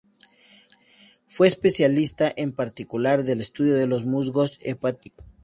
Fue especialista, en particular del estudio de los musgos hepáticos.